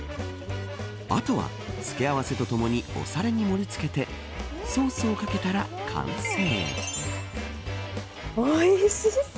あとは、つけあわせとともにお皿に盛り付けてソースをかけたら完成。